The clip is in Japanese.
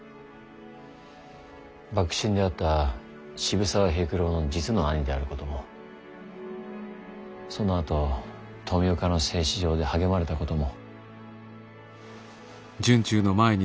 幕臣であった渋沢平九郎の実の兄であることもそのあと富岡の製糸場で励まれたことも。